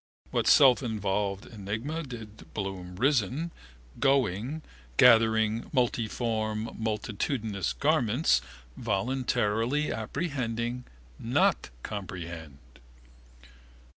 What selfinvolved enigma did Bloom risen, going, gathering multicoloured multiform multitudinous garments, voluntarily apprehending, not comprehend?